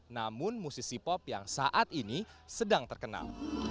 namun musisi pop yang saat ini sedang terkenal